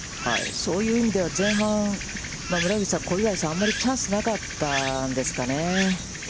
そういう意味では、前半、村口さん、小祝さん、余りチャンスがなかったんですかね。